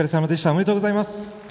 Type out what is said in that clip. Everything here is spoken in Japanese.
おめでとうございます。